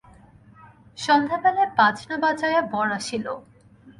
সন্ধ্যাবেলায় বাজনা বাজাইয়া বর আসিল।